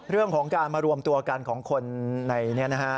เรื่องของการมารวมตัวกันของคนในนี้นะฮะ